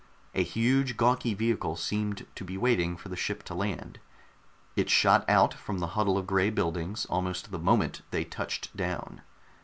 A huge gawky vehicle seemed to be waiting for the ship to land; it shot out from the huddle of gray buildings almost the moment they touched down.